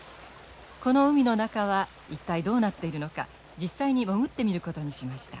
この海の中は一体どうなっているのか実際に潜ってみることにしました。